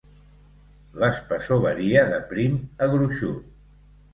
L"espessor varia, de prim a gruixut.